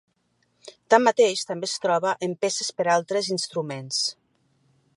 Tanmateix, també es troba en peces per a altres instruments.